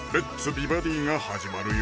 美バディ」が始まるよ